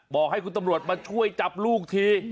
บอกให้คุณตำรวจมาช่วยจับลูกที